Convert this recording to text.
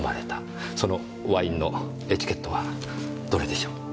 そのワインのエチケットはどれでしょう？